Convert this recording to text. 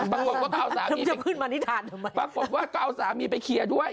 ปรากฏว่าก็เอาสามีไปเคลียร์ด้วย